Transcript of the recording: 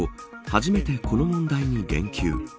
初めて、この問題に言及。